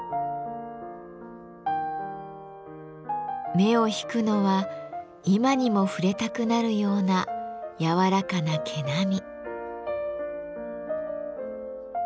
目を引くのは今にも触れたくなるような柔らかな毛並み。